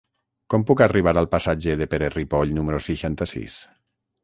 Com puc arribar al passatge de Pere Ripoll número seixanta-sis?